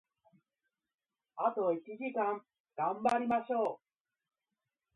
あと一時間、頑張りましょう！